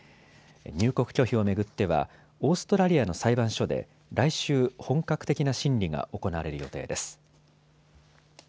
入国拒否を巡ってはオーストラリアの裁判所で来週、本格的な審理が行われる予定です。